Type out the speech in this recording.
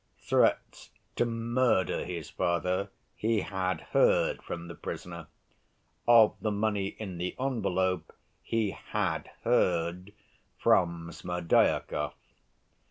Threats to murder his father he had heard from the prisoner. Of the money in the envelope he had heard from Smerdyakov.